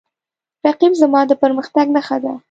رقیب زما د پرمختګ نښه ده